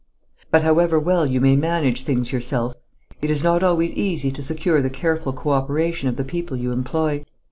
But however well you may manage things yourself, it is not always easy to secure the careful co operation of the people you employ.